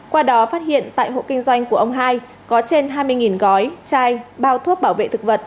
qua đó phát hiện tại hộ kinh doanh của ông hai có trên hai mươi gói chai bao thuốc bảo vệ thực vật